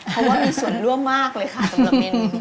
เพราะว่ามีส่วนร่วมมากเลยค่ะเมนู